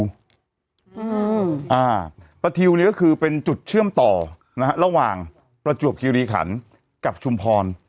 อืมอ่าประทิวนี่ก็คือเป็นจุดเชื่อมต่อนะฮะระหว่างประจวบคิริขันกับชุมพร